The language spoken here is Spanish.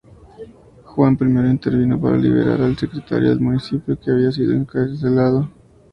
Juan I intervino para liberar al secretario del municipio, que había sido encarcelado.